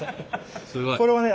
これはね